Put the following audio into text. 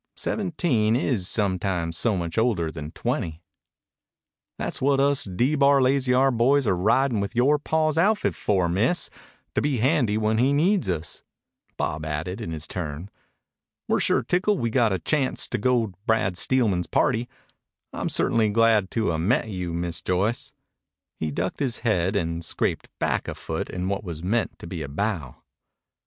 Seventeen is sometimes so much older than twenty. "Tha's what us D Bar Lazy R boys are ridin' with yore paw's outfit for, Miss to be handy when he needs us," Bob added in his turn. "We're sure tickled we got a chanct to go to Brad Steelman's party. I'm ce'tainly glad to 'a' met you, Miss Joyce." He ducked his head and scraped back a foot in what was meant to be a bow.